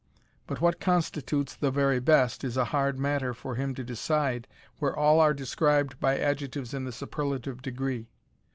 But what constitutes "the very best" is a hard matter for him to decide where all are described by adjectives in the superlative degree.